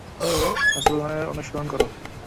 রসূলগণের অনুসরণ কর।